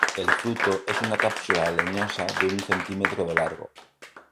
El fruto es una cápsula leñosa de un centímetro de largo.